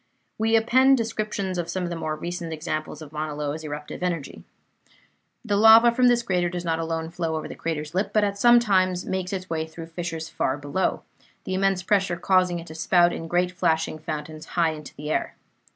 We append descriptions of some of the more recent examples of Mauna Loa's eruptive energy. The lava from this crater does not alone flow over the crater's lip, but at times makes its way through fissures far below, the immense pressure causing it to spout in great flashing fountains high into the air.